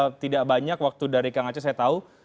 karena tidak banyak waktu dari kang aceh saya tahu